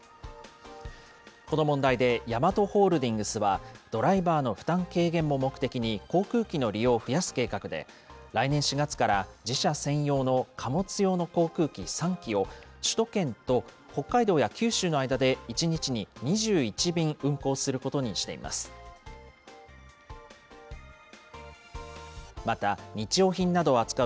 この問題でヤマトホールディングスは、ドライバーの負担軽減も目的に、航空機の利用を増やす計画で、来年４月から、自社専用の貨物用の航空機、３機を首都圏と北海道や九州の間で１日に２１便運航することにしています。